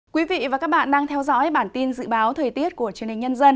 quý vị và các bạn đang theo dõi bản tin dự báo thời tiết của truyền hình nhân dân